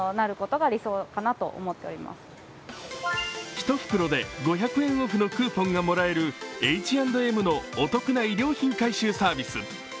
１袋で５００円オフのクーポンがもらえるＨ＆Ｍのお得な衣料品回収サービス。